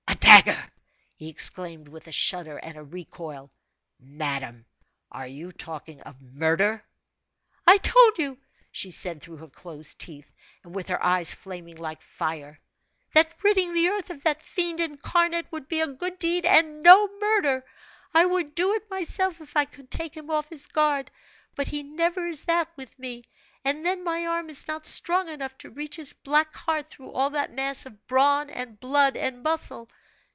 "A dagger!" he exclaimed, with a shudder, and a recoil. "Madame, are you talking of murder?" "I told you!" she said, through her closed teeth, and with her eyes flaming like fire, "that ridding the earth of that fiend incarnate would be a good deed, and no murder! I would do it myself if I could take him off his guard; but he never is that with me; and then my arm is not strong enough to reach his black heart through all that mass of brawn, and blood, and muscle.